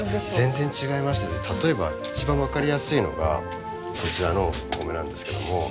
全然違いまして例えば一番分かりやすいのがこちらのお米なんですけども。